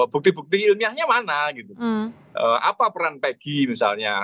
bukti bukti ilmiahnya mana gitu apa peran peggy misalnya